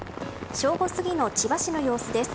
正午過ぎの千葉市の様子です。